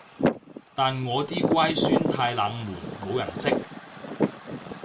但我啲乖孫太冷門冇人識